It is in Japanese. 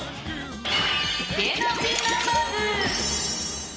芸能人ナンバーズ！